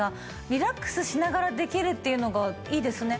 リラックスしながらできるっていうのがいいですね。